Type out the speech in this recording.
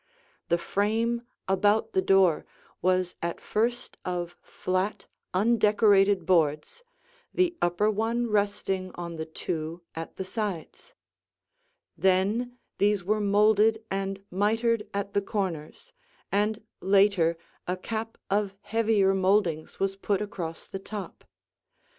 The frame about the door was at first of flat, undecorated boards, the upper one resting on the two at the sides. Then these were molded and mitered at the corners, and later a cap of heavier moldings was put across the top.